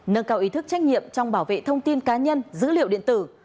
nâng cao ý thức trách nhiệm trong bảo vệ thông tin cá nhân dữ liệu điện tử